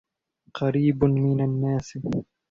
قَرِيبٌ مِنْ النَّاسِ